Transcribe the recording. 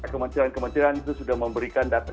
kementerian kementerian itu sudah memberikan data